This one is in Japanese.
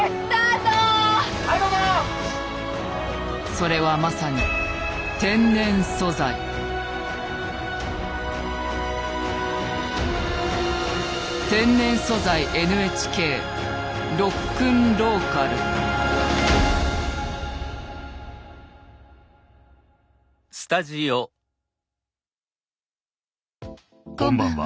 それはまさにこんばんは。